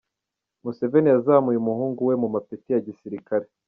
Museveni yazamuye umuhungu we mu mapeti ya Gisirikare